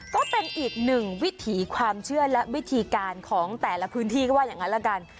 ก็เป็นอีกหนึ่งวิถีความเชื่อและวิธีการของแต่ละพื้นที่ก็ว่าอย่างนั้นละกัน